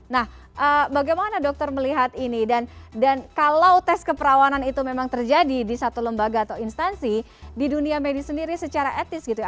nah bagaimana dokter melihat ini dan kalau tes keperawanan itu memang terjadi di satu lembaga atau instansi di dunia medis sendiri secara etis gitu ya